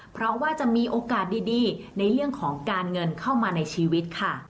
เพราะว่าจะมีโอกาสดีในเรื่องของการเงินเข้ามาในชีวิตค่ะ